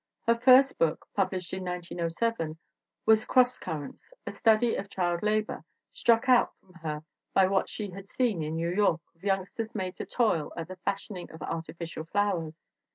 Her first book, published in 1907, was Cross Currents, a study of child labor, struck out from her by what she had seen in New York of youngsters made to toil at the fashioning of artificial flowers.